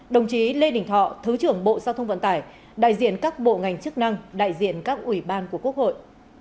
đồng chí lê đình thọ thứ trưởng bộ giao thông vận tải đại diện các bộ ngành chức năng đại diện các ủy ban của quốc hội